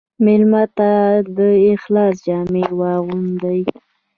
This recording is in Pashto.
مېلمه ته د اخلاص جامې واغوندې.